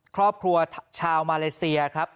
ครอบครัวชาวมาเลเซียครับ